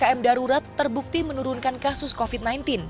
dan ppkm darurat terbukti menurunkan kasus covid sembilan belas